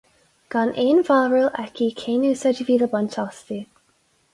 Gan aon bharúil aici cén úsáid a bhí le baint astu.